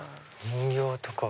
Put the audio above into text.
人形とか。